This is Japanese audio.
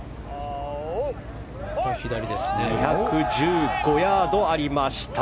２１５ヤードありました。